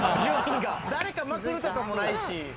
誰かまくるとかもないし。